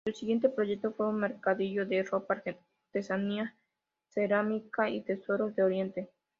Su siguiente proyecto fue un mercadillo de ropa, artesanía, cerámica y tesoros de Oriente.